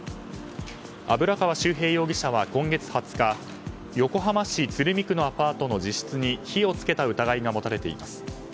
油川秀平容疑者は今月２０日横浜市鶴見区のアパートの自室に火を付けた疑いが持たれています。